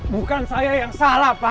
bukan saya yang salah pak